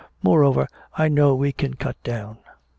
Moreover, I know we can cut down."